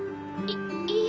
いいいえ。